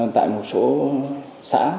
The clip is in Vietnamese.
tại một số xã